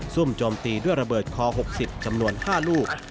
โจมตีด้วยระเบิดคอ๖๐จำนวน๕ลูก